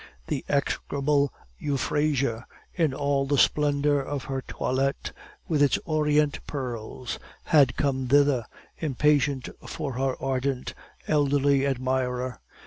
The execrable Euphrasia, in all the splendor of her toilette, with its orient pearls, had come thither, impatient for her ardent, elderly admirer.